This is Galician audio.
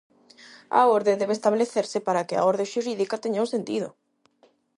A orde debe establecerse para que a orde xurídica teña un sentido.